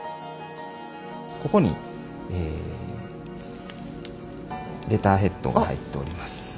ここにえレターヘッドが入っております。